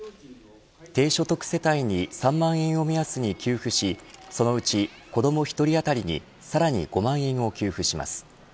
低所得世帯に３万円を目安に給付しそのうち、子ども１人あたりにさらに５万円を給付します。